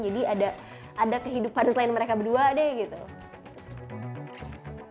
jadi ada kehidupan selain mereka berdua deh gitu